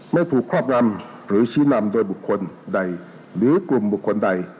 ไม่ถูกครอบรำหรือชี้นำโดยบุคคลใดหรือกลุ่มบุคคลใด